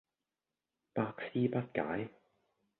百思不解